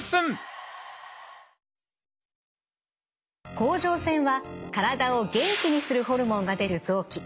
甲状腺は体を元気にするホルモンが出る臓器。